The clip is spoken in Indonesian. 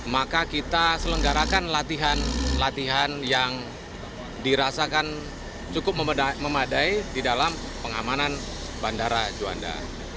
maka kita selenggarakan latihan latihan yang dirasakan cukup memadai di dalam pengamanan bandara juanda